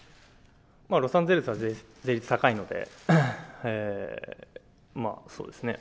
ロサンゼルスは税率高いので、そうですね。